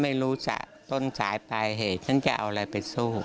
ไม่รู้จะต้นสายปลายเหตุฉันจะเอาอะไรไปสู้